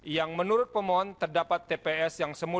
yang menurut pemohon terdapat tps yang sempurna